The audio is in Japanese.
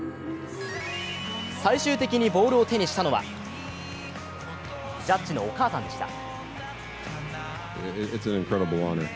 最終的にボールを手にしたのはジャッジのお母さんでした。